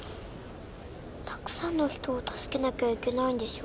たくさんの人を助けなきゃいけないんでしょ？